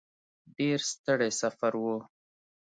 ډېر ستړی سفر و.